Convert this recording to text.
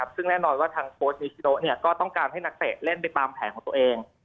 ซึ่งแน่นอนว่าทางโค้ชนิชิโนก็ต้องการให้นักเตะเล่นไปตามแผนของตัวเอง